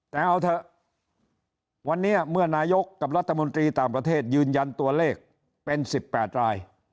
แต่เอาเถอะวันนี้เมื่อนายกกับรัฐมนตรีต่างประเทศยืนยันตัวเลขเป็น๑๘ราย